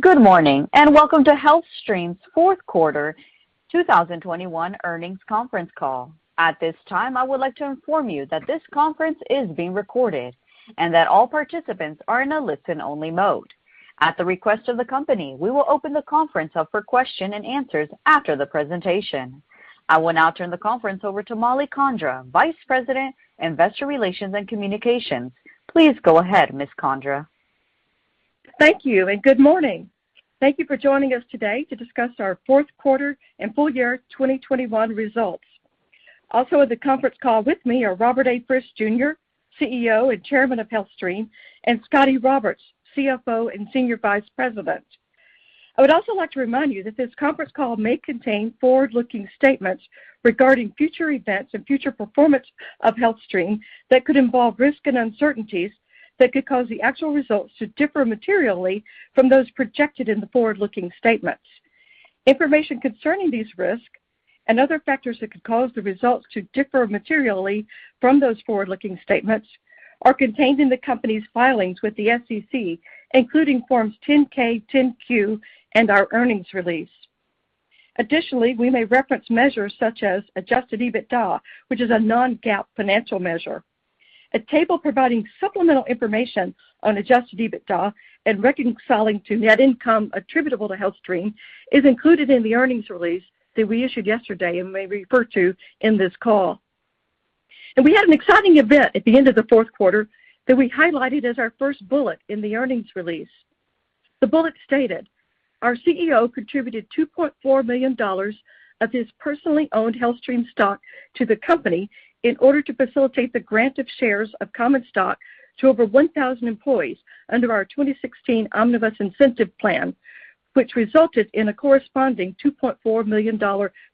Good morning, and welcome to HealthStream's fourth quarter 2021 earnings conference call. At this time, I would like to inform you that this conference is being recorded and that all participants are in a listen-only mode. At the request of the company, we will open the conference up for question and answers after the presentation. I will now turn the conference over to Mollie Condra, Vice President, Investor Relations and Communications. Please go ahead, Ms. Condra. Thank you, and good morning. Thank you for joining us today to discuss our fourth quarter and full year 2021 results. Also at the conference call with me are Robert A. Frist Jr., CEO and Chairman of HealthStream, and Scott A. Roberts, CFO and Senior Vice President. I would also like to remind you that this conference call may contain forward-looking statements regarding future events and future performance of HealthStream that could involve risk and uncertainties that could cause the actual results to differ materially from those projected in the forward-looking statements. Information concerning these risks and other factors that could cause the results to differ materially from those forward-looking statements are contained in the company's filings with the SEC, including Forms 10-K, 10-Q, and our earnings release. Additionally, we may reference measures such as adjusted EBITDA, which is a non-GAAP financial measure. A table providing supplemental information on adjusted EBITDA and reconciling to net income attributable to HealthStream is included in the earnings release that we issued yesterday and may refer to in this call. We had an exciting event at the end of the fourth quarter that we highlighted as our first bullet in the earnings release. The bullet stated: Our CEO contributed $2.4 million of his personally owned HealthStream stock to the company in order to facilitate the grant of shares of common stock to over 1,000 employees under our 2016 Omnibus Incentive Plan, which resulted in a corresponding $2.4 million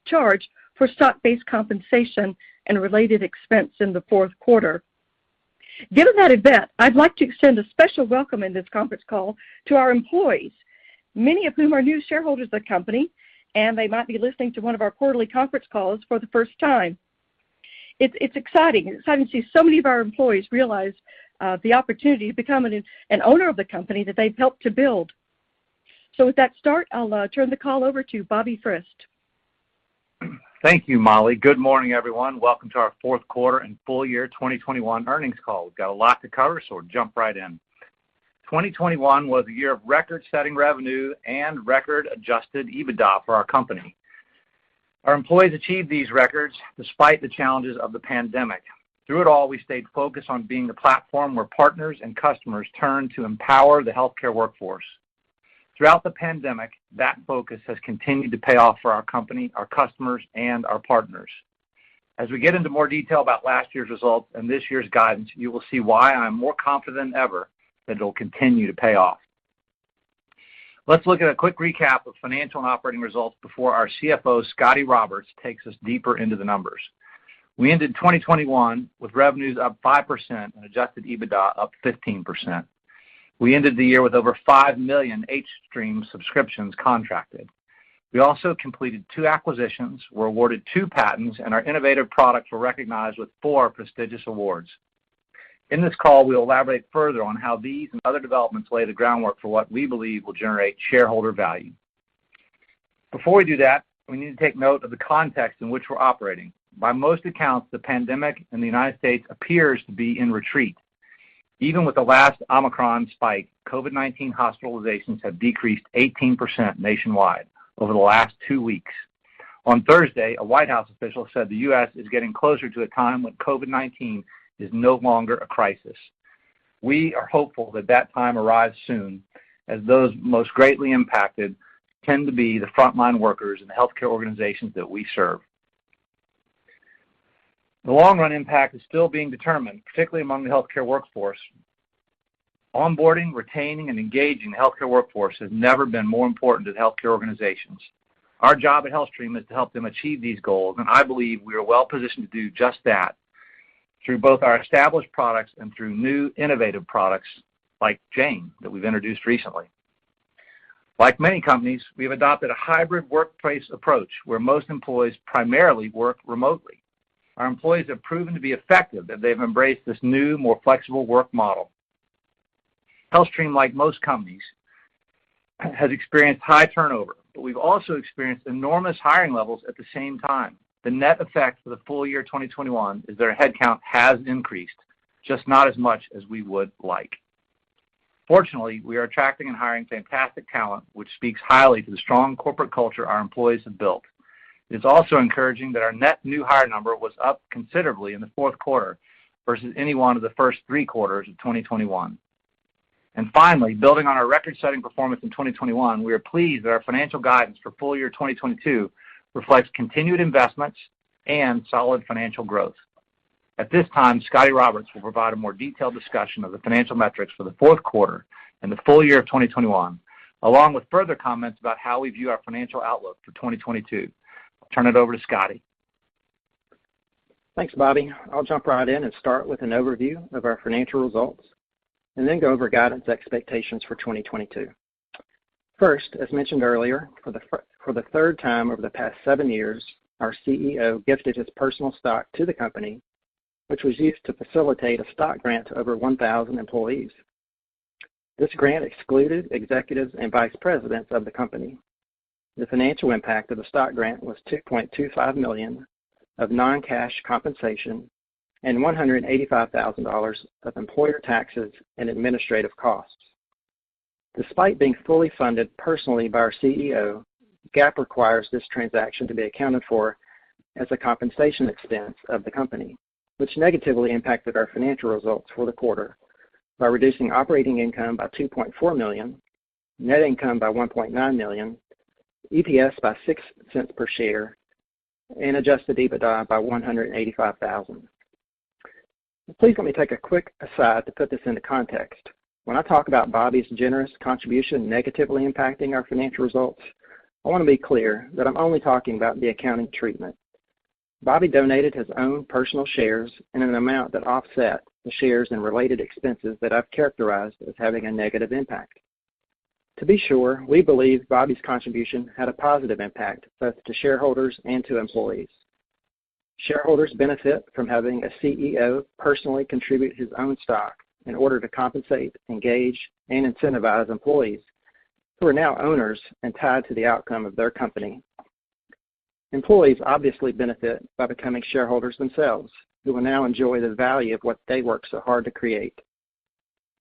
charge for stock-based compensation and related expense in the fourth quarter. Given that event, I'd like to extend a special welcome in this conference call to our employees, many of whom are new shareholders of the company, and they might be listening to one of our quarterly conference calls for the first time. It's exciting to see so many of our employees realize the opportunity to become an owner of the company that they've helped to build. With that start, I'll turn the call over to Bobby Frist. Thank you, Mollie. Good morning, everyone. Welcome to our fourth quarter and full year 2021 earnings call. We've got a lot to cover, so we'll jump right in. 2021 was a year of record-setting revenue and record adjusted EBITDA for our company. Our employees achieved these records despite the challenges of the pandemic. Through it all, we stayed focused on being the platform where partners and customers turn to empower the healthcare workforce. Throughout the pandemic, that focus has continued to pay off for our company, our customers, and our partners. As we get into more detail about last year's results and this year's guidance, you will see why I'm more confident than ever that it'll continue to pay off. Let's look at a quick recap of financial and operating results before our CFO, Scotty Roberts, takes us deeper into the numbers. We ended 2021 with revenues up 5% and adjusted EBITDA up 15%. We ended the year with over 5 million hStream subscriptions contracted. We also completed two acquisitions. We're awarded two patents, and our innovative products were recognized with four prestigious awards. In this call, we'll elaborate further on how these and other developments lay the groundwork for what we believe will generate shareholder value. Before we do that, we need to take note of the context in which we're operating. By most accounts, the pandemic in the United States appears to be in retreat. Even with the last Omicron spike, COVID-19 hospitalizations have decreased 18% nationwide over the last two weeks. On Thursday, a White House official said the U.S. is getting closer to a time when COVID-19 is no longer a crisis. We are hopeful that that time arrives soon, as those most greatly impacted tend to be the frontline workers in the healthcare organizations that we serve. The long-run impact is still being determined, particularly among the healthcare workforce. Onboarding, retaining, and engaging the healthcare workforce has never been more important to healthcare organizations. Our job at HealthStream is to help them achieve these goals, and I believe we are well-positioned to do just that through both our established products and through new innovative products like Jane that we've introduced recently. Like many companies, we have adopted a hybrid workplace approach where most employees primarily work remotely. Our employees have proven to be effective, and they've embraced this new, more flexible work model. HealthStream, like most companies, has experienced high turnover, but we've also experienced enormous hiring levels at the same time. The net effect for the full year 2021 is that our head count has increased, just not as much as we would like. Fortunately, we are attracting and hiring fantastic talent, which speaks highly to the strong corporate culture our employees have built. It's also encouraging that our net new hire number was up considerably in the fourth quarter versus any one of the first three quarters of 2021. Finally, building on our record-setting performance in 2021, we are pleased that our financial guidance for full year 2022 reflects continued investments and solid financial growth. At this time, Scotty Roberts will provide a more detailed discussion of the financial metrics for the fourth quarter and the full year of 2021, along with further comments about how we view our financial outlook for 2022. I'll turn it over to Scotty. Thanks, Bobby. I'll jump right in and start with an overview of our financial results and then go over guidance expectations for 2022. First, as mentioned earlier, for the third time over the past seven years, our CEO gifted his personal stock to the company, which was used to facilitate a stock grant to over 1,000 employees. This grant excluded executives and vice presidents of the company. The financial impact of the stock grant was $2.25 million of non-cash compensation and $185,000 of employer taxes and administrative costs. Despite being fully funded personally by our CEO, GAAP requires this transaction to be accounted for as a compensation expense of the company, which negatively impacted our financial results for the quarter by reducing operating income by $2.4 million, net income by $1.9 million, EPS by $0.06 per share, and adjusted EBITDA by $185,000. Please let me take a quick aside to put this into context. When I talk about Bobby's generous contribution negatively impacting our financial results, I wanna be clear that I'm only talking about the accounting treatment. Bobby donated his own personal shares in an amount that offset the shares and related expenses that I've characterized as having a negative impact. To be sure, we believe Bobby's contribution had a positive impact, both to shareholders and to employees. Shareholders benefit from having a CEO personally contribute his own stock in order to compensate, engage, and incentivize employees who are now owners and tied to the outcome of their company. Employees obviously benefit by becoming shareholders themselves, who will now enjoy the value of what they work so hard to create.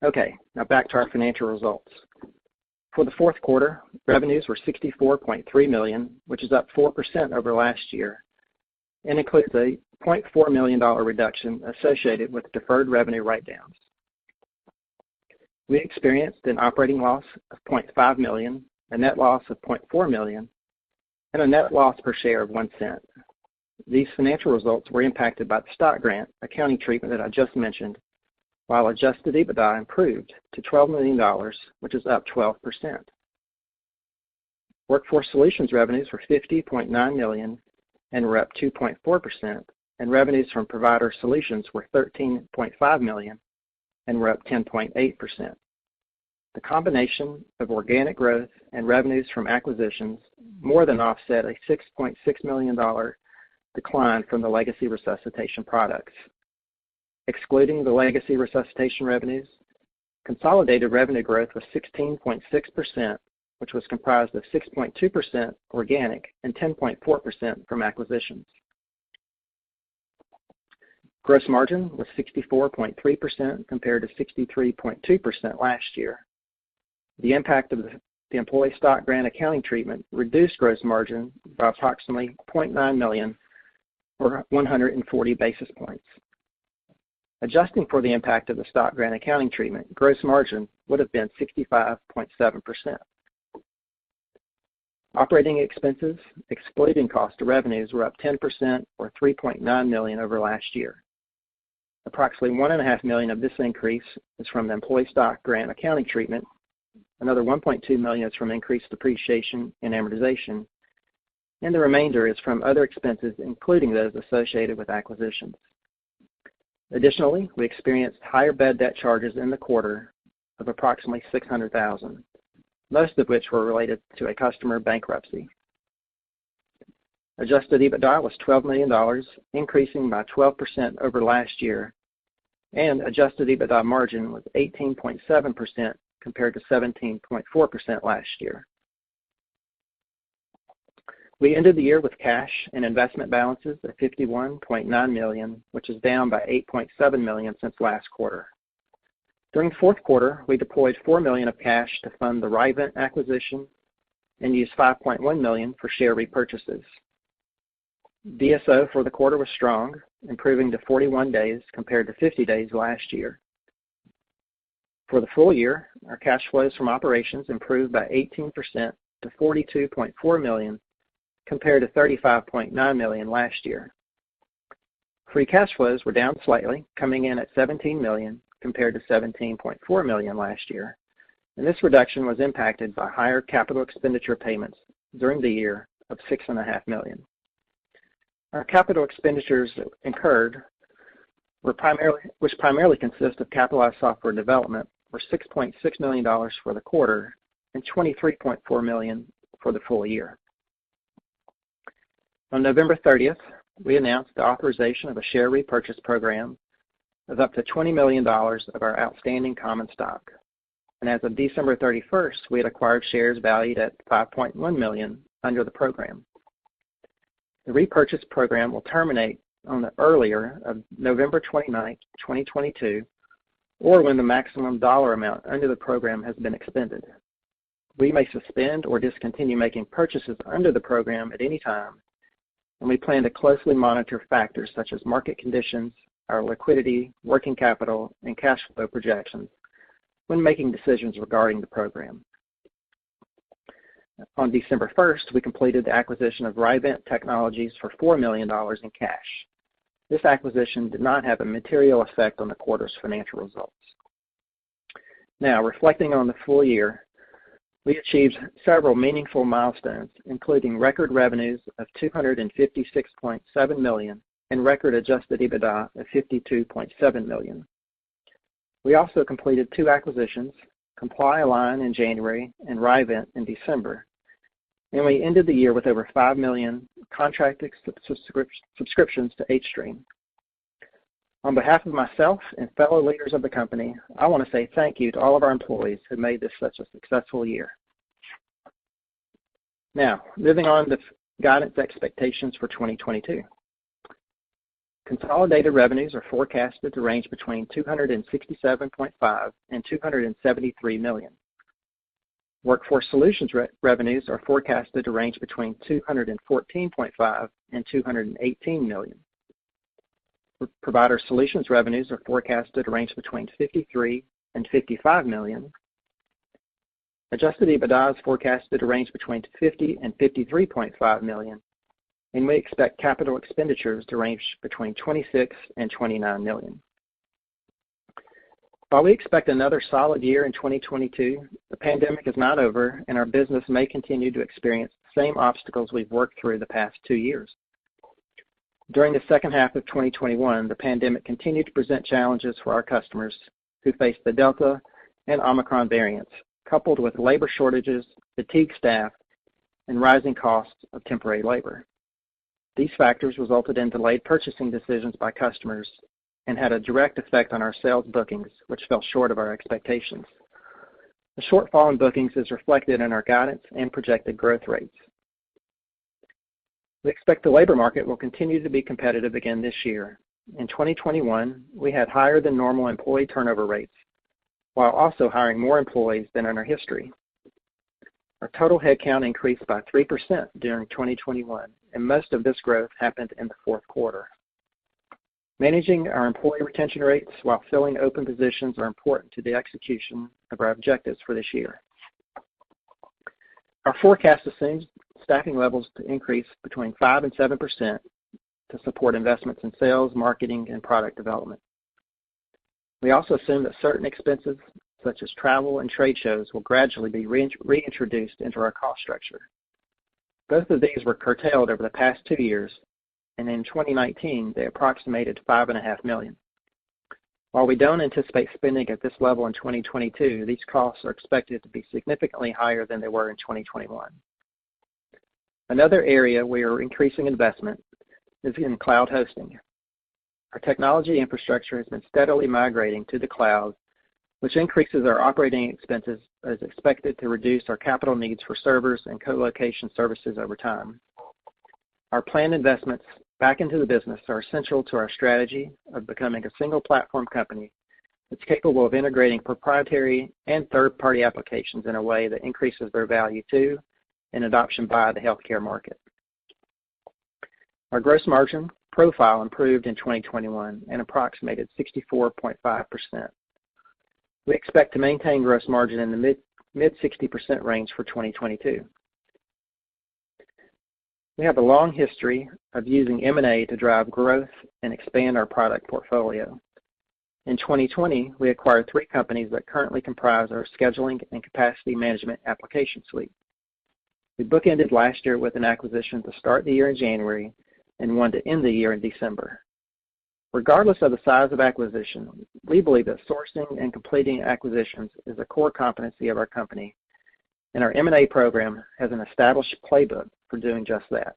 Okay, now back to our financial results. For the fourth quarter, revenues were $64.3 million, which is up 4% over last year, and includes a $0.4 million reduction associated with deferred revenue write-downs. We experienced an operating loss of $0.5 million, a net loss of $0.4 million, and a net loss per share of $0.01. These financial results were impacted by the stock grant accounting treatment that I just mentioned, while adjusted EBITDA improved to $12 million, which is up 12%. Workforce Solutions revenues were $50.9 million and were up 2.4%, and revenues from Provider Solutions were $13.5 million and were up 10.8%. The combination of organic growth and revenues from acquisitions more than offset a $6.6 million decline from the legacy resuscitation products. Excluding the legacy resuscitation revenues, consolidated revenue growth was 16.6%, which was comprised of 6.2% organic and 10.4% from acquisitions. Gross margin was 64.3% compared to 63.2% last year. The impact of the employee stock grant accounting treatment reduced gross margin by approximately $0.9 million or 140 basis points. Adjusting for the impact of the stock grant accounting treatment, gross margin would have been 65.7%. Operating expenses, excluding cost of revenues, were up 10% or $3.9 million over last year. Approximately $1.5 million of this increase is from the employee stock grant accounting treatment. Another $1.2 million is from increased depreciation and amortization, and the remainder is from other expenses, including those associated with acquisitions. Additionally, we experienced higher bad debt charges in the quarter of approximately $600,000, most of which were related to a customer bankruptcy. Adjusted EBITDA was $12 million, increasing by 12% over last year, and adjusted EBITDA margin was 18.7% compared to 17.4% last year. We ended the year with cash and investment balances at $51.9 million, which is down by $8.7 million since last quarter. During fourth quarter, we deployed $4 million of cash to fund the Rievent acquisition and used $5.1 million for share repurchases. DSO for the quarter was strong, improving to 41-days compared to 50-days last year. For the full year, our cash flows from operations improved by 18% to $42.4 million compared to $35.9 million last year. Free cash flows were down slightly, coming in at $17 million compared to $17.4 million last year, and this reduction was impacted by higher capital expenditure payments during the year of six and a half million. Our capital expenditures incurred, which primarily consist of capitalized software development, were $6.6 million for the quarter and $23.4 million for the full year. On November 30, we announced the authorization of a share repurchase program of up to $20 million of our outstanding common stock. As of December 31, we had acquired shares valued at $5.1 million under the program. The repurchase program will terminate on the earlier of November 29, 2022, or when the maximum dollar amount under the program has been expended. We may suspend or discontinue making purchases under the program at any time, and we plan to closely monitor factors such as market conditions, our liquidity, working capital, and cash flow projections when making decisions regarding the program. On December first, we completed the acquisition of Rievent Technologies for $4 million in cash. This acquisition did not have a material effect on the quarter's financial results. Now, reflecting on the full year, we achieved several meaningful milestones, including record revenues of $256.7 million and record adjusted EBITDA of $52.7 million. We also completed two acquisitions, ComplyALIGN in January and Rievent in December. We ended the year with over 5 million contracted subscriptions to hStream. On behalf of myself and fellow leaders of the company, I wanna say thank you to all of our employees who made this such a successful year. Now, moving on to guidance expectations for 2022. Consolidated revenues are forecasted to range between $267.5 million and $273 million. Workforce Solutions revenues are forecasted to range between $214.5 million and $218 million. Provider Solutions revenues are forecasted to range between $53 million and $55 million. Adjusted EBITDA is forecasted to range between $50 million and $53.5 million, and we expect capital expenditures to range between $26 million and $29 million. While we expect another solid year in 2022, the pandemic is not over and our business may continue to experience the same obstacles we've worked through the past two years. During the second half of 2021, the pandemic continued to present challenges for our customers who faced the Delta and Omicron variants, coupled with labor shortages, fatigued staff, and rising costs of temporary labor. These factors resulted in delayed purchasing decisions by customers and had a direct effect on our sales bookings, which fell short of our expectations. The shortfall in bookings is reflected in our guidance and projected growth rates. We expect the labor market will continue to be competitive again this year. In 2021, we had higher than normal employee turnover rates while also hiring more employees than in our history. Our total headcount increased by 3% during 2021, and most of this growth happened in the fourth quarter. Managing our employee retention rates while filling open positions are important to the execution of our objectives for this year. Our forecast assumes staffing levels to increase between 5% and 7% to support investments in sales, marketing, and product development. We also assume that certain expenses, such as travel and trade shows, will gradually be reintroduced into our cost structure. Both of these were curtailed over the past two years, and in 2019, they approximated $5.5 million. While we don't anticipate spending at this level in 2022, these costs are expected to be significantly higher than they were in 2021. Another area we are increasing investment is in cloud hosting. Our technology infrastructure has been steadily migrating to the cloud, which increases our operating expenses, but is expected to reduce our capital needs for servers and co-location services over time. Our planned investments back into the business are essential to our strategy of becoming a single platform company that's capable of integrating proprietary and third-party applications in a way that increases their value to and adoption by the healthcare market. Our gross margin profile improved in 2021 and approximated 64.5%. We expect to maintain gross margin in the mid-60% range for 2022. We have a long history of using M&A to drive growth and expand our product portfolio. In 2020, we acquired three companies that currently comprise our scheduling and capacity management application suite. We bookended last year with an acquisition to start the year in January and one to end the year in December. Regardless of the size of acquisition, we believe that sourcing and completing acquisitions is a core competency of our company, and our M&A program has an established playbook for doing just that.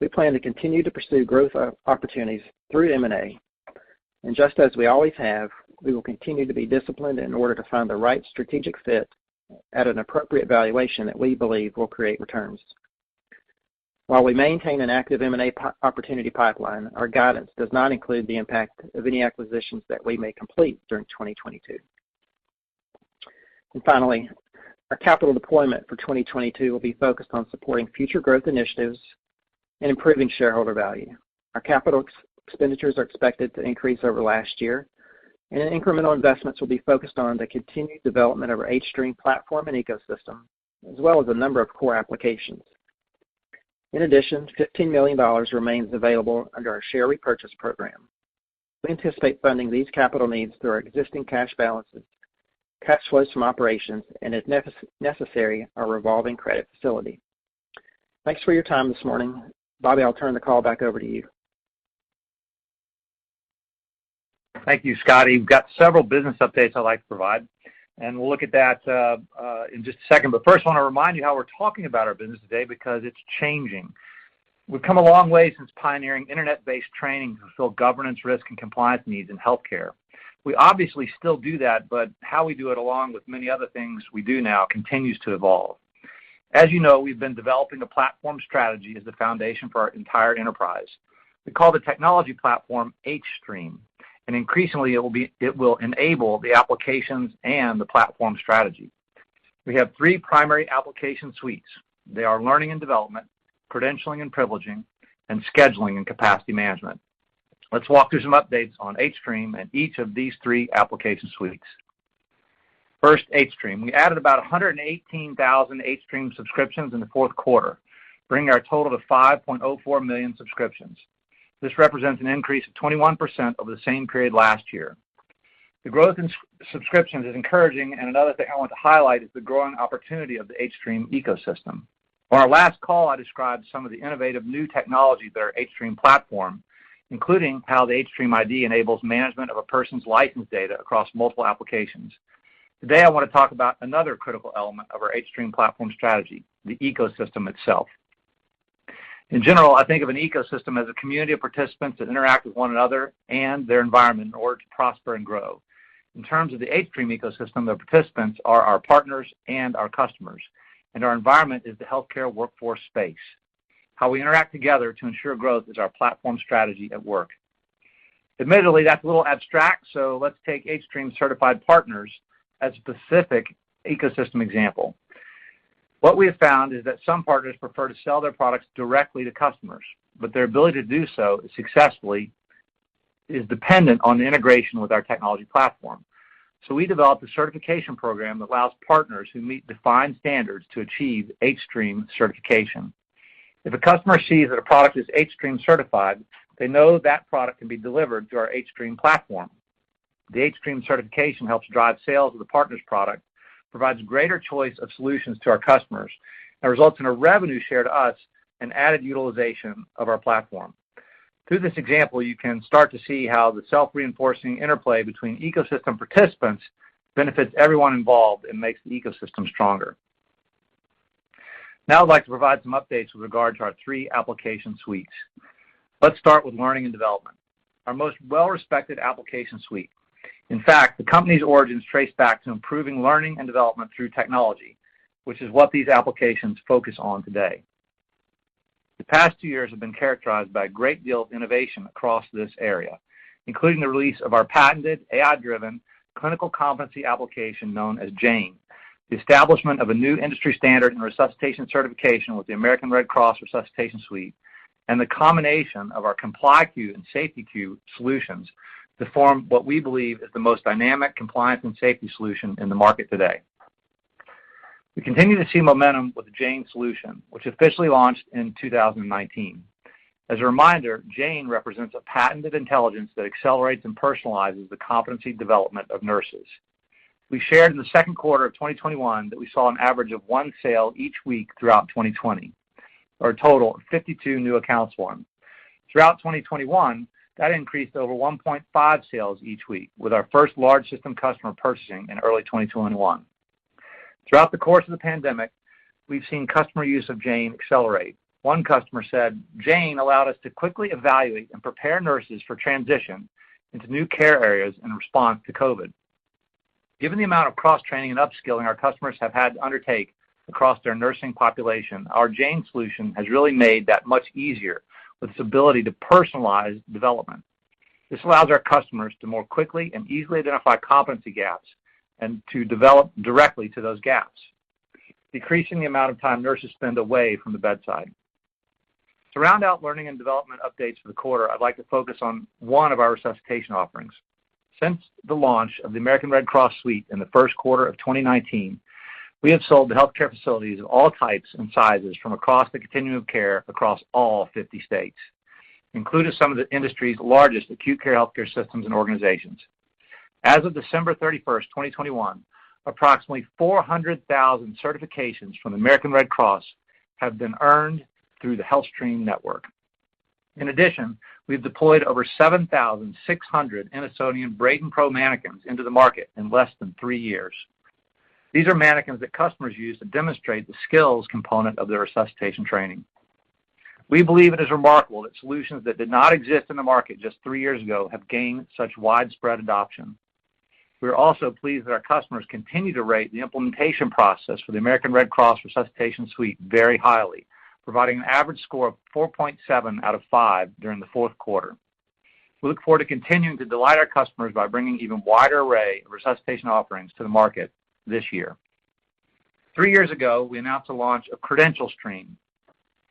We plan to continue to pursue growth opportunities through M&A, and just as we always have, we will continue to be disciplined in order to find the right strategic fit at an appropriate valuation that we believe will create returns. While we maintain an active M&A opportunity pipeline, our guidance does not include the impact of any acquisitions that we may complete during 2022. Finally, our capital deployment for 2022 will be focused on supporting future growth initiatives and improving shareholder value. Our capital expenditures are expected to increase over last year, and incremental investments will be focused on the continued development of our hStream platform and ecosystem, as well as a number of core applications. In addition, $15 million remains available under our share repurchase program. We anticipate funding these capital needs through our existing cash balances, cash flows from operations and if necessary, our revolving credit facility. Thanks for your time this morning. Bobby, I'll turn the call back over to you. Thank you, Scotty. We've got several business updates I'd like to provide, and we'll look at that in just a second. First, I wanna remind you how we're talking about our business today because it's changing. We've come a long way since pioneering internet-based training to fulfill governance, risk, and compliance needs in healthcare. We obviously still do that, but how we do it, along with many other things we do now, continues to evolve. As you know, we've been developing a platform strategy as the foundation for our entire enterprise. We call the technology platform hStream, and increasingly, it will enable the applications and the platform strategy. We have three primary application suites. They are learning and development, credentialing and privileging, and scheduling and capacity management. Let's walk through some updates on hStream and each of these three application suites. First, hStream. We added about 118,000 hStream subscriptions in the fourth quarter, bringing our total to 5.04 million subscriptions. This represents an increase of 21% over the same period last year. The growth in subscriptions is encouraging, and another thing I want to highlight is the growing opportunity of the hStream ecosystem. On our last call, I described some of the innovative new technologies of our hStream platform, including how the hStream ID enables management of a person's license data across multiple applications. Today, I wanna talk about another critical element of our hStream platform strategy, the ecosystem itself. In general, I think of an ecosystem as a community of participants that interact with one another and their environment in order to prosper and grow. In terms of the hStream ecosystem, the participants are our partners and our customers, and our environment is the healthcare workforce space. How we interact together to ensure growth is our platform strategy at work. Admittedly, that's a little abstract, so let's take hStream certified partners as a specific ecosystem example. What we have found is that some partners prefer to sell their products directly to customers, but their ability to do so successfully is dependent on the integration with our technology platform. We developed a certification program that allows partners who meet defined standards to achieve hStream certification. If a customer sees that a product is hStream certified, they know that product can be delivered through our hStream platform. The hStream certification helps drive sales of the partner's product, provides greater choice of solutions to our customers, and results in a revenue share to us and added utilization of our platform. Through this example, you can start to see how the self-reinforcing interplay between ecosystem participants benefits everyone involved and makes the ecosystem stronger. Now I'd like to provide some updates with regard to our three application suites. Let's start with learning and development, our most well-respected application suite. In fact, the company's origins trace back to improving learning and development through technology, which is what these applications focus on today. The past two years have been characterized by a great deal of innovation across this area, including the release of our patented AI-driven clinical competency application known as Jane, the establishment of a new industry standard in resuscitation certification with the American Red Cross Resuscitation Suite, and the combination of our ComplyQ and SafetyQ solutions to form what we believe is the most dynamic compliance and safety solution in the market today. We continue to see momentum with the Jane solution, which officially launched in 2019. As a reminder, Jane represents a patented intelligence that accelerates and personalizes the competency development of nurses. We shared in the second quarter of 2021 that we saw an average of one sale each week throughout 2020, or a total of 52 new accounts formed. Throughout 2021, that increased to over 1.5 sales each week, with our first large system customer purchasing in early 2021. Throughout the course of the pandemic, we've seen customer use of Jane accelerate. One customer said, "Jane allowed us to quickly evaluate and prepare nurses for transition into new care areas in response to COVID." Given the amount of cross-training and upskilling our customers have had to undertake across their nursing population, our Jane solution has really made that much easier with its ability to personalize development. This allows our customers to more quickly and easily identify competency gaps and to develop directly to those gaps, decreasing the amount of time nurses spend away from the bedside. To round out learning and development updates for the quarter, I'd like to focus on one of our resuscitation offerings. Since the launch of the American Red Cross Suite in the first quarter of 2019, we have sold to healthcare facilities of all types and sizes from across the continuum of care across all 50 states, including some of the industry's largest acute care healthcare systems and organizations. As of December 31, 2021, approximately 400,000 certifications from the American Red Cross have been earned through the HealthStream network. In addition, we've deployed over 7,600 Innosonian Brayden Pro manikins into the market in less than three years. These are manikins that customers use to demonstrate the skills component of their resuscitation training. We believe it is remarkable that solutions that did not exist in the market just three years ago have gained such widespread adoption. We are also pleased that our customers continue to rate the implementation process for the American Red Cross Resuscitation Suite very highly, providing an average score of 4.7 out of five during the fourth quarter. We look forward to continuing to delight our customers by bringing even wider array of resuscitation offerings to the market this year. Three years ago, we announced the launch of CredentialStream,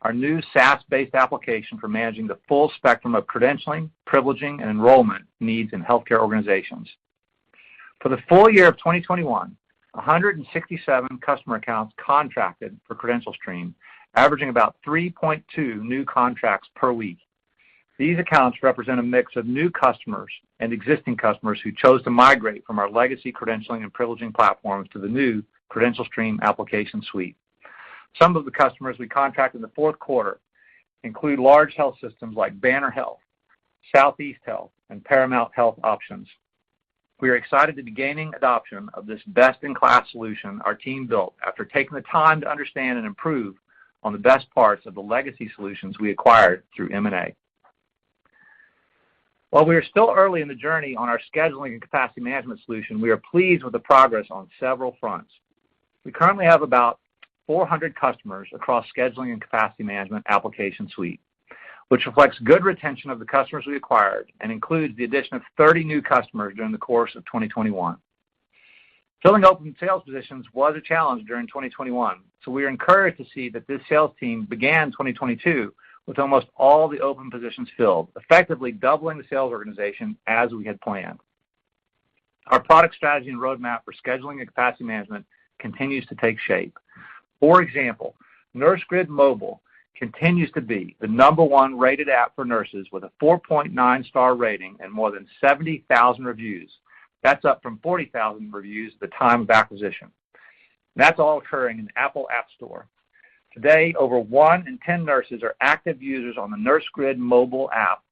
our new SaaS-based application for managing the full spectrum of credentialing, privileging, and enrollment needs in healthcare organizations. For the full year of 2021, 167 customer accounts contracted for CredentialStream, averaging about 3.2 new contracts per week. These accounts represent a mix of new customers and existing customers who chose to migrate from our legacy credentialing and privileging platforms to the new CredentialStream application suite. Some of the customers we contracted in the fourth quarter include large health systems like Banner Health, Southeast Health, and Paramount Health Options. We are excited to be gaining adoption of this best-in-class solution our team built after taking the time to understand and improve on the best parts of the legacy solutions we acquired through M&A. While we are still early in the journey on our scheduling and capacity management solution, we are pleased with the progress on several fronts. We currently have about 400 customers across scheduling and capacity management application suite, which reflects good retention of the customers we acquired and includes the addition of 30 new customers during the course of 2021. Filling open sales positions was a challenge during 2021, so we are encouraged to see that this sales team began 2022 with almost all the open positions filled, effectively doubling the sales organization as we had planned. Our product strategy and roadmap for scheduling and capacity management continues to take shape. For example, NurseGrid Mobile continues to be the number one rated app for nurses with a 4.9 star rating and more than 70,000 reviews. That's up from 40,000 reviews at the time of acquisition. That's all occurring in Apple App Store. Today, over one in 10 nurses are active users on the NurseGrid Mobile app,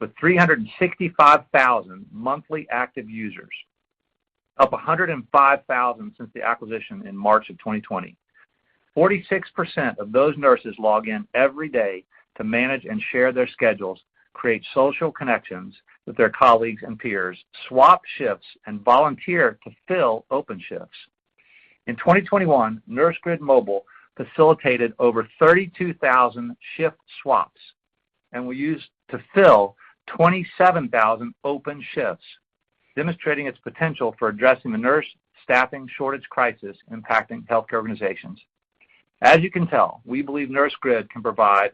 with 365,000 monthly active users, up 105,000 since the acquisition in March 2020. 46% of those nurses log in every day to manage and share their schedules, create social connections with their colleagues and peers, swap shifts, and volunteer to fill open shifts. In 2021, NurseGrid Mobile facilitated over 32,000 shift swaps and were used to fill 27,000 open shifts, demonstrating its potential for addressing the nurse staffing shortage crisis impacting healthcare organizations. As you can tell, we believe NurseGrid can provide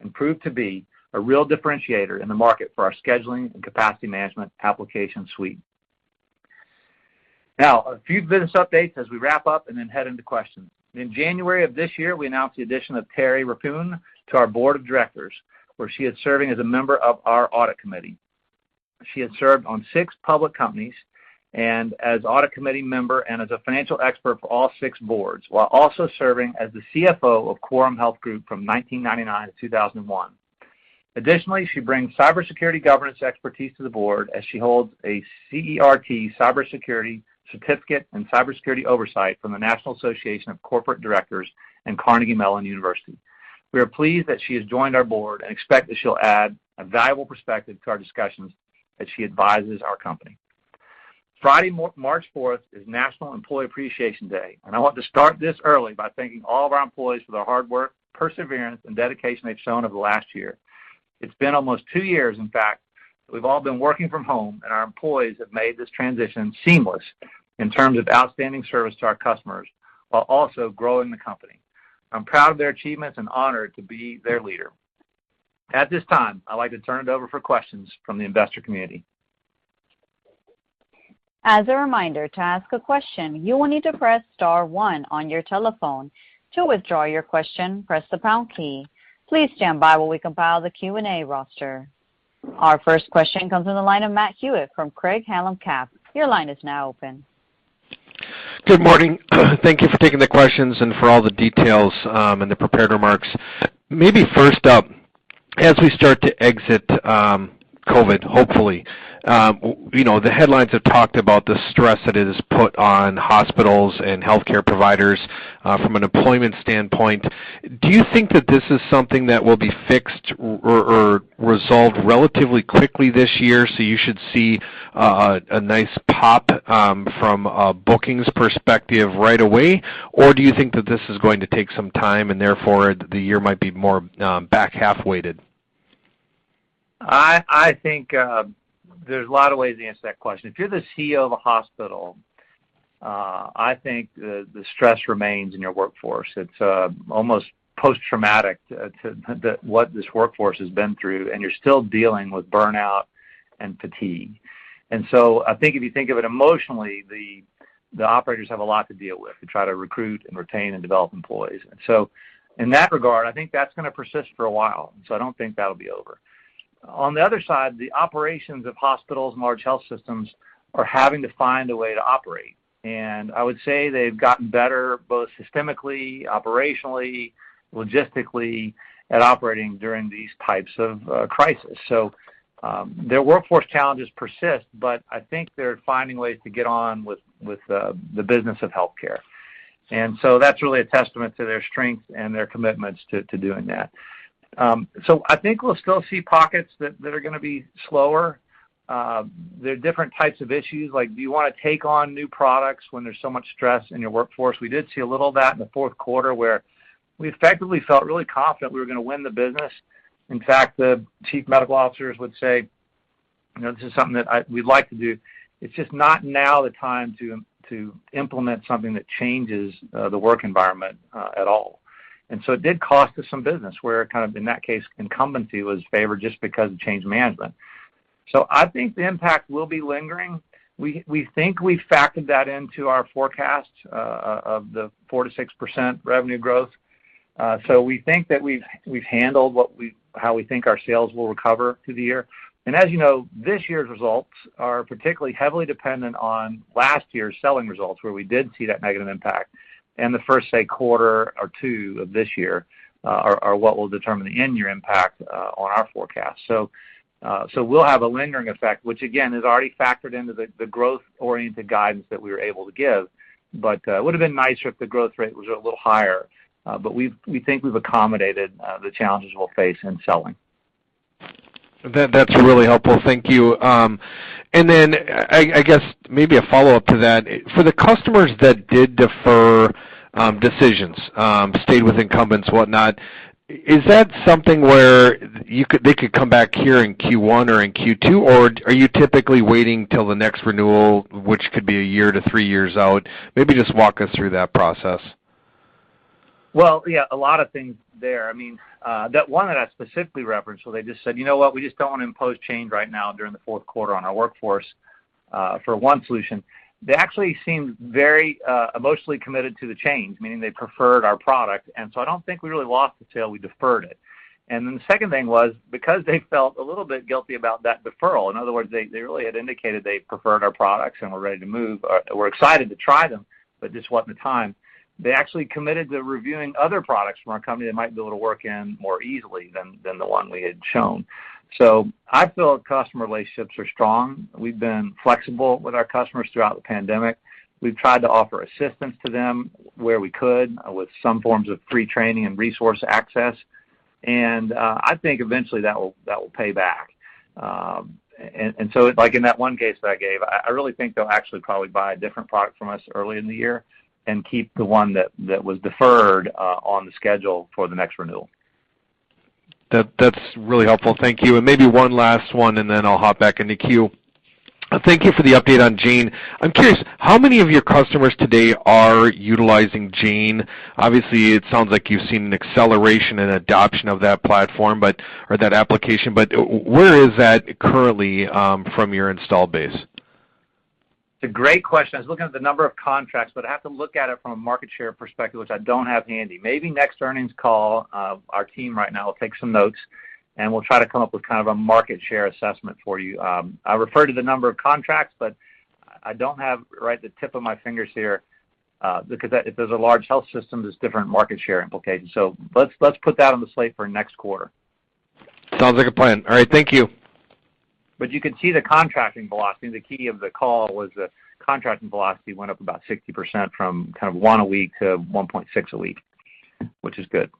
and prove to be a real differentiator in the market for our scheduling and capacity management application suite. Now, a few business updates as we wrap up and then head into questions. In January of this year, we announced the addition of Terry Rappuhn to our board of directors, where she is serving as a member of our audit committee. She has served on six public companies and as audit committee member and as a financial expert for all six boards, while also serving as the CFO of Coram Healthcare Corporation from 1999 to 2001. Additionally, she brings cybersecurity governance expertise to the board as she holds a CERT cybersecurity certificate in cybersecurity oversight from the National Association of Corporate Directors and Carnegie Mellon University. We are pleased that she has joined our board and expect that she'll add a valuable perspective to our discussions as she advises our company. Friday, March 4 is National Employee Appreciation Day, and I want to start this early by thanking all of our employees for their hard work, perseverance, and dedication they've shown over the last year. It's been almost two years, in fact, that we've all been working from home, and our employees have made this transition seamless in terms of outstanding service to our customers while also growing the company. I'm proud of their achievements and honored to be their leader. At this time, I'd like to turn it over for questions from the investor community. As a reminder, to ask a question, you will need to press star one on your telephone. To withdraw your question, press the pound key. Please stand by while we compile the Q&A roster. Our first question comes from the line of Matthew Hewitt from Craig-Hallum Capital Group. Your line is now open. Good morning. Thank you for taking the questions and for all the details and the prepared remarks. Maybe first up, as we start to exit COVID, hopefully, you know, the headlines have talked about the stress that is put on hospitals and healthcare providers from an employment standpoint. Do you think that this is something that will be fixed or resolved relatively quickly this year, so you should see a nice pop from a bookings perspective right away? Or do you think that this is going to take some time and therefore the year might be more back half-weighted? I think there's a lot of ways to answer that question. If you're the CEO of a hospital, I think the stress remains in your workforce. It's almost post-traumatic to what this workforce has been through, and you're still dealing with burnout and fatigue. I think if you think of it emotionally, the operators have a lot to deal with to try to recruit and retain and develop employees. In that regard, I think that's gonna persist for a while, and so I don't think that'll be over. On the other side, the operations of hospitals and large health systems are having to find a way to operate. I would say they've gotten better, both systemically, operationally, logistically at operating during these types of crisis. Their workforce challenges persist, but I think they're finding ways to get on with the business of healthcare. That's really a testament to their strength and their commitments to doing that. I think we'll still see pockets that are gonna be slower. There are different types of issues, like do you wanna take on new products when there's so much stress in your workforce? We did see a little of that in the fourth quarter, where we effectively felt really confident we were gonna win the business. In fact, the chief medical officers would say, you know, "This is something that we'd like to do. It's just not now the time to implement something that changes the work environment at all." It did cost us some business, where kind of, in that case, incumbency was favored just because of change management. I think the impact will be lingering. We think we've factored that into our forecast of the 4%-6% revenue growth. We think that we've handled how we think our sales will recover through the year. As you know, this year's results are particularly heavily dependent on last year's selling results, where we did see that negative impact. The first, say, quarter or two of this year are what will determine the in-year impact on our forecast. We'll have a lingering effect, which again is already factored into the growth-oriented guidance that we were able to give. It would have been nicer if the growth rate was a little higher. We think we've accommodated the challenges we'll face in selling. That, that's really helpful. Thank you. I guess maybe a follow-up to that. For the customers that did defer decisions, stayed with incumbents, whatnot, is that something where they could come back here in Q1 or in Q2, or are you typically waiting till the next renewal, which could be a year to three years out? Maybe just walk us through that process. Well, yeah, a lot of things there. I mean, that one that I specifically referenced where they just said, "You know what? We just don't want to impose change right now during the fourth quarter on our workforce," for one solution. They actually seemed very emotionally committed to the change, meaning they preferred our product. I don't think we really lost the sale, we deferred it. The second thing was, because they felt a little bit guilty about that deferral, in other words, they really had indicated they preferred our products and were ready to move, or were excited to try them, but just wasn't the time, they actually committed to reviewing other products from our company that might be able to work in more easily than the one we had shown. I feel our customer relationships are strong. We've been flexible with our customers throughout the pandemic. We've tried to offer assistance to them where we could with some forms of free training and resource access. I think eventually that will pay back. Like in that one case that I gave, I really think they'll actually probably buy a different product from us early in the year and keep the one that was deferred on the schedule for the next renewal. That's really helpful. Thank you. Maybe one last one, and then I'll hop back in the queue. Thank you for the update on Jane. I'm curious, how many of your customers today are utilizing Jane? Obviously, it sounds like you've seen an acceleration in adoption of that platform, but or that application, but where is that currently, from your installed base? It's a great question. I was looking at the number of contracts, but I have to look at it from a market share perspective, which I don't have handy. Maybe next earnings call. Our team right now will take some notes, and we'll try to come up with kind of a market share assessment for you. I refer to the number of contracts, but I don't have right at the tip of my fingers here, because if there's a large health system, there's different market share implications. Let's put that on the slate for next quarter. Sounds like a plan. All right, thank you. You could see the contracting velocity. The key of the call was the contracting velocity went up about 60% from kind of one a week to 1.6 a week, which is good.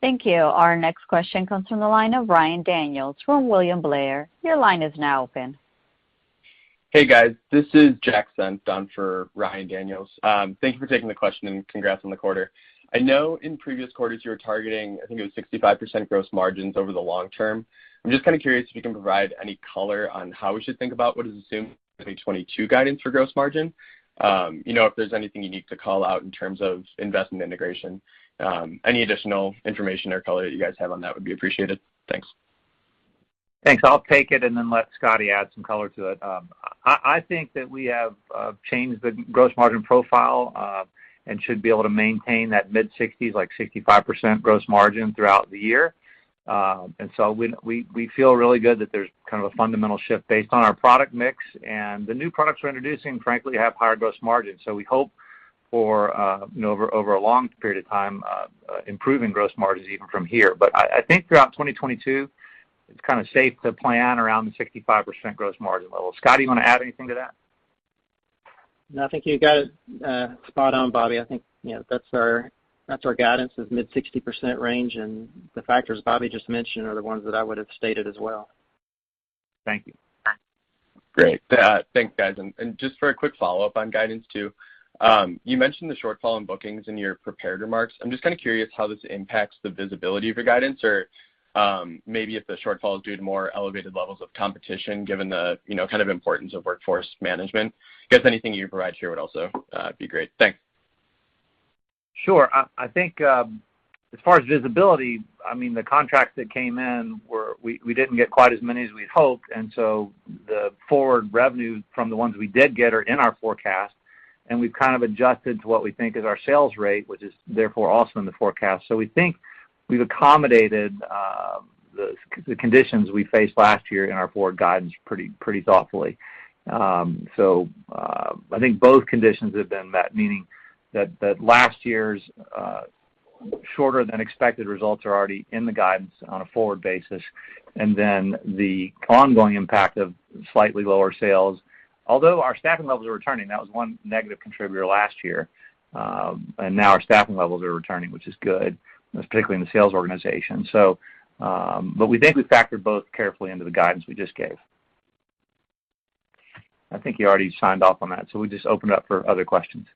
Thank you. Our next question comes from the line of Ryan Daniels from William Blair. Your line is now open. Hey, guys. This is Jack Senft on for Ryan Daniels. Thank you for taking the question, and congrats on the quarter. I know in previous quarters you were targeting, I think it was 65% gross margins over the long term. I'm just kind of curious if you can provide any color on how we should think about what is assumed to be 2022 guidance for gross margin. You know, if there's anything you need to call out in terms of investment integration, any additional information or color that you guys have on that would be appreciated. Thanks. Thanks. I'll take it and then let Scotty add some color to it. I think that we have changed the gross margin profile and should be able to maintain that mid-60%, like 65% gross margin throughout the year. We feel really good that there's kind of a fundamental shift based on our product mix. The new products we're introducing, frankly, have higher gross margins. We hope for, you know, over a long period of time, improving gross margins even from here. I think throughout 2022, it's kind of safe to plan around the 65% gross margin level. Scott, do you want to add anything to that? No, I think you got it spot on, Bobby. I think, you know, that's our guidance is mid-60% range, and the factors Bobby just mentioned are the ones that I would have stated as well. Thank you. Great. Thanks, guys. Just for a quick follow-up on guidance too. You mentioned the shortfall in bookings in your prepared remarks. I'm just kind of curious how this impacts the visibility of your guidance or, maybe if the shortfall is due to more elevated levels of competition given the, you know, kind of importance of workforce management. I guess anything you can provide here would also be great. Thanks. Sure. I think as far as visibility, I mean, the contracts that came in, we didn't get quite as many as we'd hoped, and so the forward revenue from the ones we did get are in our forecast, and we've kind of adjusted to what we think is our sales rate, which is therefore also in the forecast. We think we've accommodated the conditions we faced last year in our forward guidance pretty thoughtfully. I think both conditions have been met, meaning that last year's shorter than expected results are already in the guidance on a forward basis. Then the ongoing impact of slightly lower sales, although our staffing levels are returning, that was one negative contributor last year. Now our staffing levels are returning, which is good, particularly in the sales organization. We think we factored both carefully into the guidance we just gave. I think you already signed off on that, so we just open it up for other questions.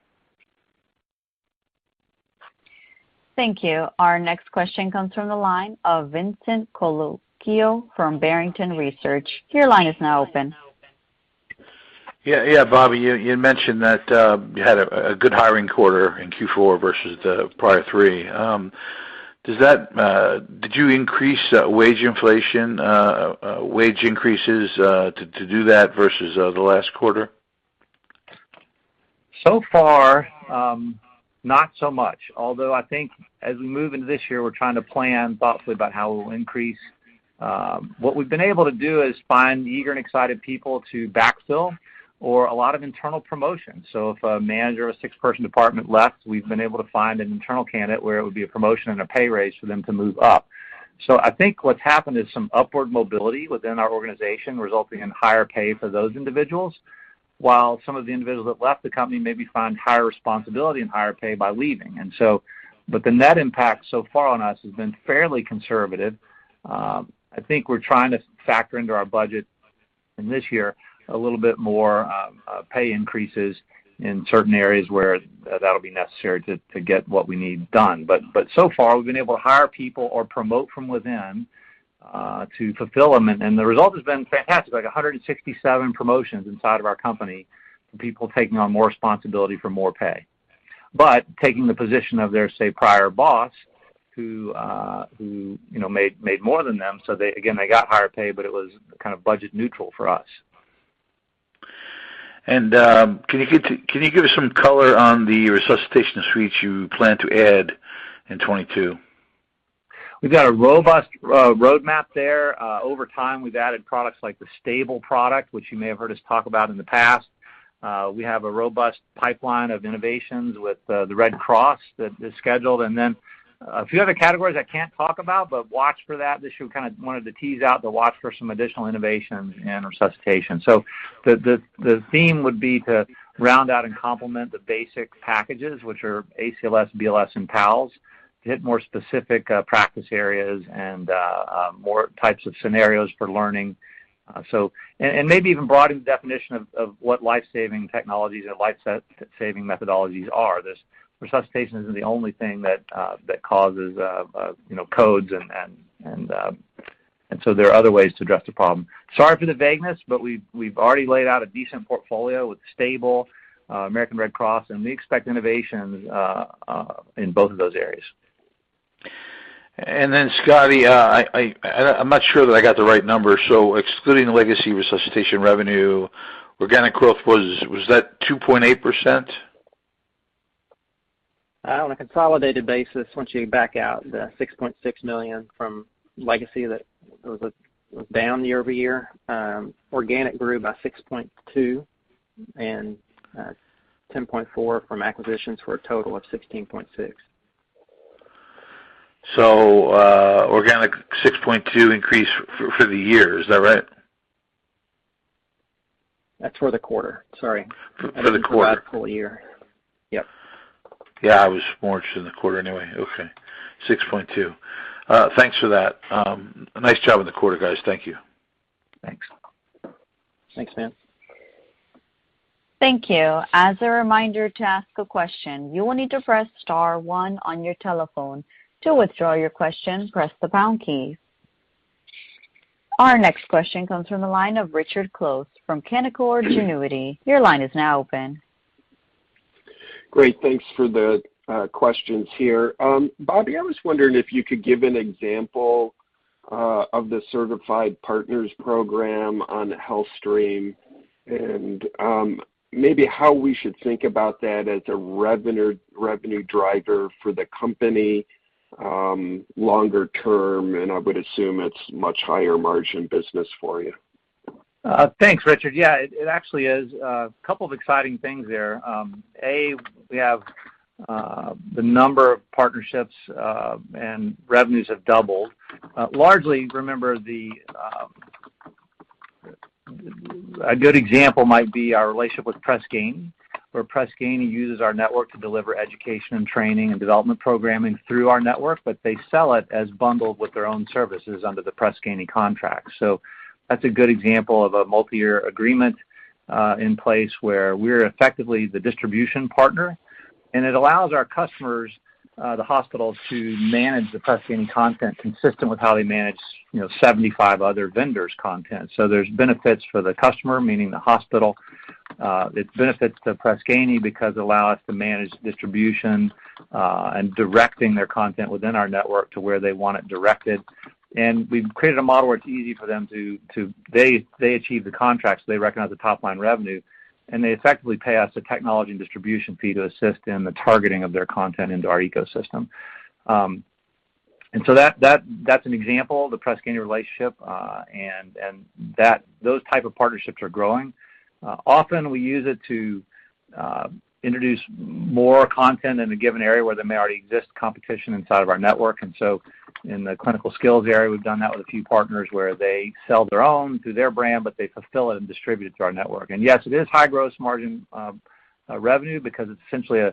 Thank you. Our next question comes from the line of Vincent Colicchio from Barrington Research. Your line is now open. Yeah. Yeah. Bobby, you mentioned that you had a good hiring quarter in Q4 versus the prior three. Did you increase wage inflation, wage increases to do that versus the last quarter? So far, not so much. Although I think as we move into this year, we're trying to plan thoughtfully about how we'll increase. What we've been able to do is find eager and excited people to backfill or a lot of internal promotions. If a manager of a six person department left, we've been able to find an internal candidate where it would be a promotion and a pay raise for them to move up. I think what's happened is some upward mobility within our organization resulting in higher pay for those individuals, while some of the individuals that left the company maybe found higher responsibility and higher pay by leaving. The net impact so far on us has been fairly conservative. I think we're trying to factor into our budget in this year a little bit more pay increases in certain areas where that'll be necessary to get what we need done. So far, we've been able to hire people or promote from within to fulfill them. The result has been fantastic, like 167 promotions inside of our company, people taking on more responsibility for more pay, taking the position of their, say, prior boss who, you know, made more than them. They again got higher pay, but it was kind of budget neutral for us. Can you give us some color on the resuscitation suites you plan to add in 2022? We've got a robust roadmap there. Over time, we've added products like the S.T.A.B.L.E. product, which you may have heard us talk about in the past. We have a robust pipeline of innovations with the Red Cross that is scheduled. Then a few other categories I can't talk about, but watch for that. Just kind of wanted to tease out to watch for some additional innovations in resuscitation. The theme would be to round out and complement the basic packages, which are ACLS, BLS, and PALS, to hit more specific practice areas and more types of scenarios for learning. Maybe even broaden the definition of what life-saving technologies and life-saving methodologies are. This resuscitation isn't the only thing that causes, you know, codes and so there are other ways to address the problem. Sorry for the vagueness, but we've already laid out a decent portfolio with S.T.A.B.L.E., American Red Cross, and we expect innovations in both of those areas. Scotty, I'm not sure that I got the right number. Excluding the legacy resuscitation revenue, organic growth was that 2.8%? On a consolidated basis, once you back out the $6.6 million from legacy that was down year-over-year, organic grew by 6.2% and $10.4 million from acquisitions for a total of $16.6 million. Organic 6.2% increase for the year, is that right? That's for the quarter. Sorry. For the quarter. Last full year. Yep. Yeah, I was more interested in the quarter anyway. Okay. 6.2. Thanks for that. Nice job in the quarter, guys. Thank you. Thanks. Thanks, man. Our next question comes from the line of Richard Close from Canaccord Genuity. Your line is now open. Great. Thanks for the questions here. Bobby, I was wondering if you could give an example of the Certified Partners program on HealthStream and maybe how we should think about that as a revenue driver for the company longer term, and I would assume it's much higher margin business for you. Thanks, Richard. Yeah, it actually is. A couple of exciting things there. We have the number of partnerships and revenues have doubled. Largely, remember. A good example might be our relationship with Press Ganey, where Press Ganey uses our network to deliver education and training and development programming through our network, but they sell it as bundled with their own services under the Press Ganey contract. That's a good example of a multi-year agreement in place where we're effectively the distribution partner, and it allows our customers, the hospitals to manage the Press Ganey content consistent with how they manage, you know, 75 other vendors' content. There's benefits for the customer, meaning the hospital. It benefits Press Ganey because allows us to manage distribution and directing their content within our network to where they want it directed. We've created a model where it's easy for them to achieve the contracts, they recognize the top-line revenue, and they effectively pay us a technology and distribution fee to assist in the targeting of their content into our ecosystem. That's an example, the Press Ganey relationship, and those type of partnerships are growing. Often we use it to introduce more content in a given area where there may already exist competition inside of our network. In the clinical skills area, we've done that with a few partners where they sell their own through their brand, but they fulfill it and distribute it through our network. Yes, it is high gross margin revenue because it's essentially a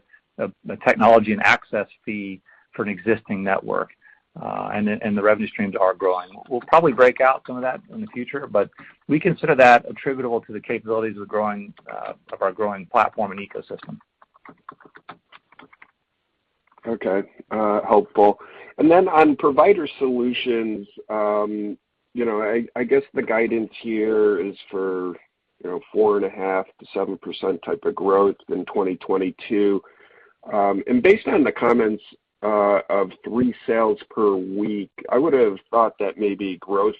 technology and access fee for an existing network, and the revenue streams are growing. We'll probably break out some of that in the future, but we consider that attributable to the capabilities of our growing platform and ecosystem. Okay, helpful. On Provider Solutions, you know, I guess the guidance here is for, you know, 4.5%-7% type of growth in 2022. Based on the comments of three sales per week, I would have thought that maybe growth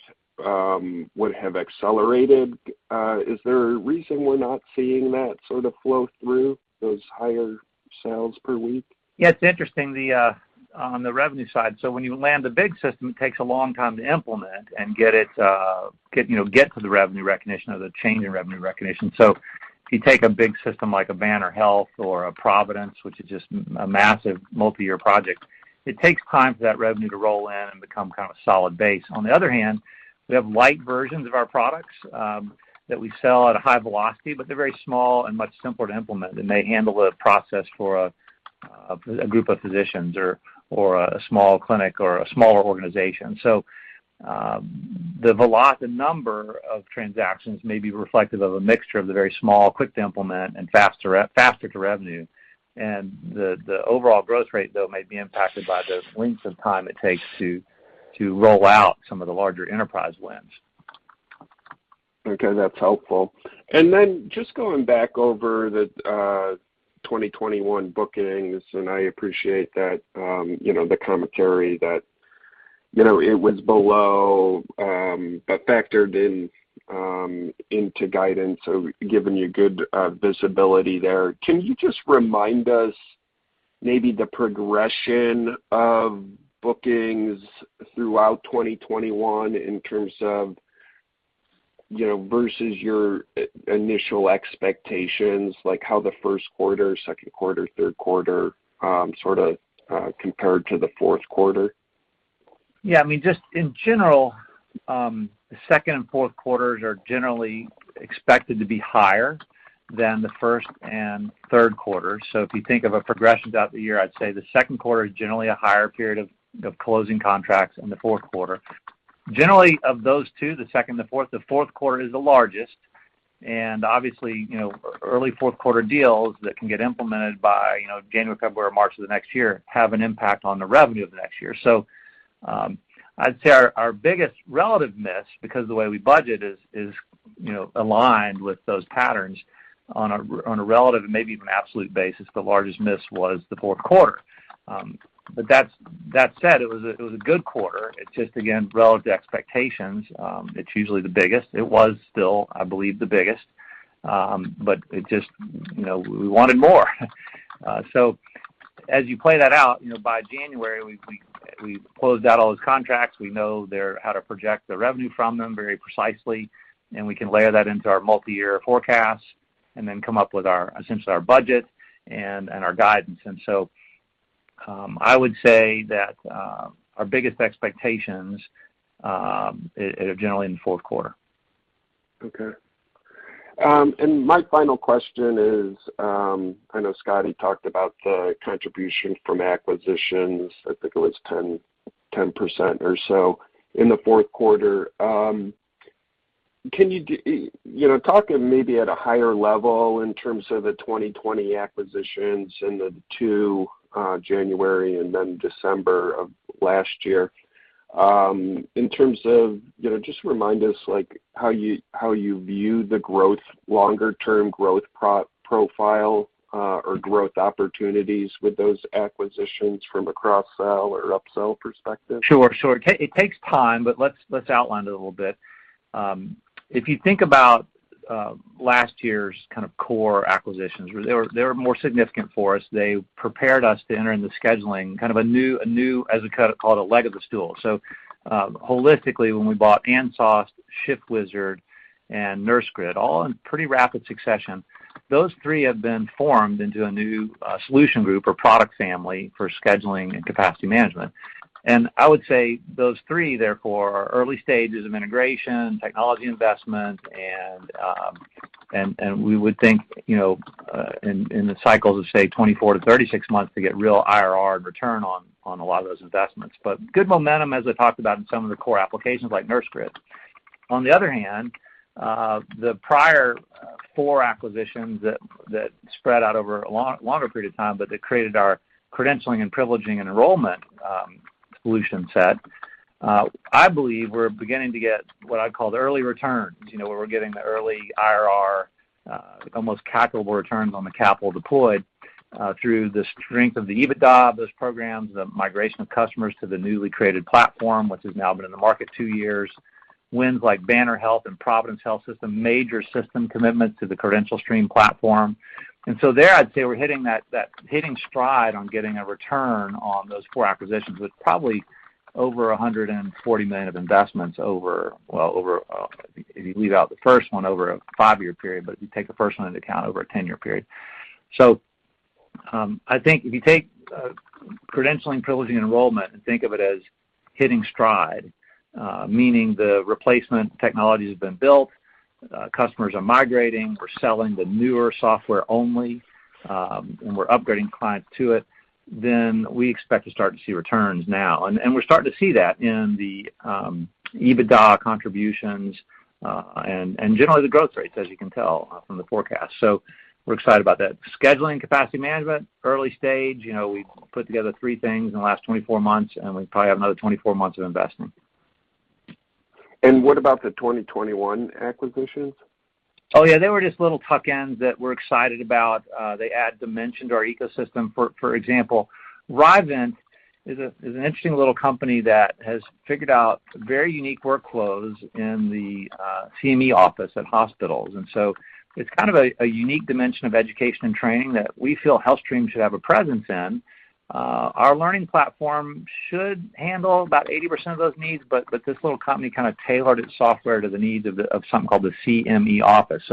would have accelerated. Is there a reason we're not seeing that sort of flow through those higher sales per week? Yeah, it's interesting on the revenue side. When you land a big system, it takes a long time to implement and get it, you know, get to the revenue recognition or the change in revenue recognition. If you take a big system like a Banner Health or a Providence, which is just a massive multi-year project, it takes time for that revenue to roll in and become kind of solid base. On the other hand, we have light versions of our products that we sell at a high velocity, but they're very small and much simpler to implement, and they handle the process for a group of physicians or a small clinic or a smaller organization. The number of transactions may be reflective of a mixture of the very small, quick to implement and faster to revenue. The overall growth rate, though, may be impacted by the length of time it takes to roll out some of the larger enterprise wins. Okay, that's helpful. Then just going back over the 2021 bookings, and I appreciate that, you know, the commentary that, you know, it was below, but factored in, into guidance. Giving you good visibility there. Can you just remind us maybe the progression of bookings throughout 2021 in terms of, you know, versus your initial expectations, like how the first quarter, second quarter, third quarter, sort of, compared to the fourth quarter? Yeah. I mean, just in general, the second and fourth quarters are generally expected to be higher than the first and third quarter. If you think of a progression throughout the year, I'd say the second quarter is generally a higher period of closing contracts than the fourth quarter. Generally, of those two, the second and the fourth, the fourth quarter is the largest. Obviously, you know, early fourth quarter deals that can get implemented by, you know, January, February, or March of the next year have an impact on the revenue of next year. I'd say our biggest relative miss, because the way we budget is, you know, aligned with those patterns on a relative and maybe even absolute basis, the largest miss was the fourth quarter. That said, it was a good quarter. It's just, again, relative to expectations, it's usually the biggest. It was still, I believe, the biggest. It just, you know, we wanted more. As you play that out, you know, by January, we've closed out all those contracts. We know how to project the revenue from them very precisely, and we can layer that into our multiyear forecast and then come up with essentially our budget and our guidance. I would say that our biggest expectations are generally in the fourth quarter. Okay. My final question is, I know Scotty talked about the contribution from acquisitions. I think it was 10% or so in the fourth quarter. Can you know, talk maybe at a higher level in terms of the 2020 acquisitions and the two January and then December of last year, in terms of, you know, just remind us like how you view the growth, longer term growth profile, or growth opportunities with those acquisitions from a cross-sell or upsell perspective. Sure, sure. That it takes time, but let's outline it a little bit. If you think about last year's kind of core acquisitions, they were more significant for us. They prepared us to enter into scheduling kind of a new, as we call it, a leg of the stool. Holistically, when we bought ANSOS, ShiftWizard, and NurseGrid, all in pretty rapid succession, those three have been formed into a new solution group or product family for scheduling and capacity management. I would say those three, therefore, are early stages of integration, technology investment, and we would think, you know, in the cycles of, say, 24-36-months to get real IRR return on a lot of those investments. Good momentum, as I talked about in some of the core applications like NurseGrid. On the other hand, the prior four acquisitions that spread out over a longer period of time, but that created our credentialing and privileging enrollment solution set, I believe we're beginning to get what I'd call the early returns. You know, where we're getting the early IRR, almost calculable returns on the capital deployed, through the strength of the EBITDA of those programs, the migration of customers to the newly created platform, which has now been in the market two years. Wins like Banner Health and Providence Health & Services, major system commitments to the CredentialStream platform. There, I'd say we're hitting that hitting stride on getting a return on those four acquisitions with probably over $140 million of investments over, well, over, if you leave out the first one, over a five year period, but if you take the first one into account, over a 10-year period. I think if you take credentialing, privileging, enrollment and think of it as hitting stride, meaning the replacement technology has been built, customers are migrating, we're selling the newer software only, and we're upgrading clients to it, then we expect to start to see returns now. We're starting to see that in the EBITDA contributions and generally the growth rates, as you can tell from the forecast. We're excited about that. Scheduling capacity management, early stage. You know, we've put together three things in the last 24-months, and we probably have another 24-months of investing. What about the 2021 acquisitions? Oh, yeah, they were just little tuck-ins that we're excited about. They add dimension to our ecosystem. For example, Rievent is an interesting little company that has figured out very unique workflows in the CME office at hospitals. It's kind of a unique dimension of education and training that we feel HealthStream should have a presence in. Our learning platform should handle about 80% of those needs, but this little company kind of tailored its software to the needs of something called the CME office.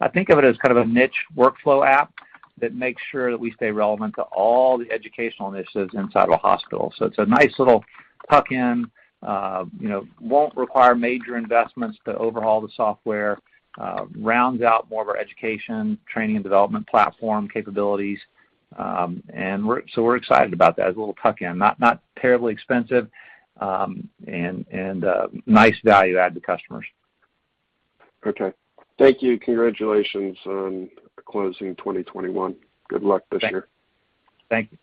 I think of it as kind of a niche workflow app that makes sure that we stay relevant to all the educational initiatives inside of a hospital. It's a nice little tuck-in, you know, won't require major investments to overhaul the software, rounds out more of our education, training, and development platform capabilities. We're excited about that as a little tuck-in. Not terribly expensive, and nice value add to customers. Okay. Thank you. Congratulations on closing 2021. Good luck this year. Thank you.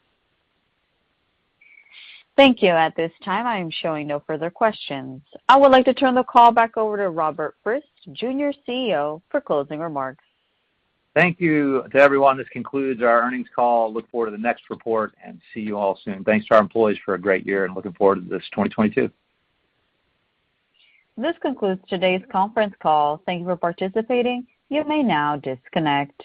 Thank you. At this time, I am showing no further questions. I would like to turn the call back over to Robert A. Frist, Jr., CEO, for closing remarks. Thank you to everyone. This concludes our earnings call. Look forward to the next report, and see you all soon. Thanks to our employees for a great year, and looking forward to this 2022. This concludes today's conference call. Thank you for participating. You may now disconnect.